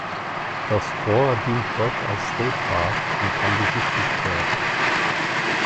Das Fort dient heute als State Park und kann besichtigt werden.